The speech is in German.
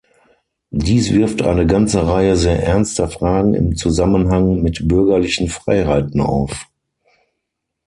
Dies wirft eine ganze Reihe sehr ernster Fragen im Zusammenhang mit bürgerlichen Freiheiten auf.